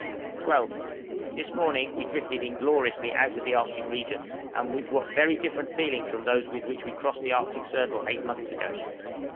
12th. This morning we drifted ingloriously out of the Arctic regions, and with what very different feelings from those with which we crossed the Arctic circle eight months ago!